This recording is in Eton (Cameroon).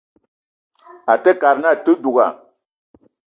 Àte kad na àte duga